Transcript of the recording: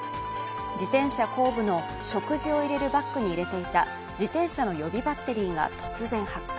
自転車後部の食事を入れるバッグに入れていた自転車の予備バッテリーが突然発火。